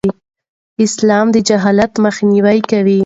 اسلام د جهل مخنیوی کوي.